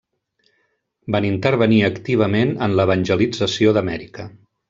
Van intervenir activament en l'evangelització d'Amèrica.